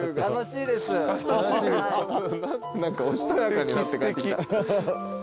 何かおしとやかになって帰ってきた。